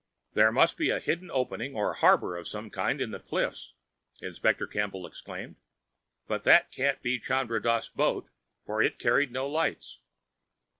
"There must be a hidden opening or harbor of some kind in the cliffs!" Inspector Campbell exclaimed. "But that can't be Chandra Dass' boat, for it carried no lights."